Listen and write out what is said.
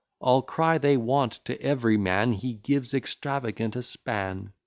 All cry they want, to every man He gives, extravagant, a span.